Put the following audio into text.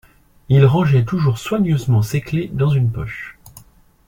Il rangeait toujours soigneusement ses clefs dans une poche.